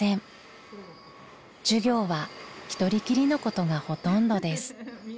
授業は一人きりのことがほとんどです。